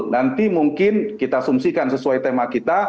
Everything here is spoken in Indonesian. nanti mungkin kita asumsikan sesuai tema kita